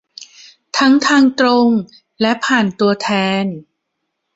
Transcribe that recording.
ทั้งทางตรงและผ่านตัวแทน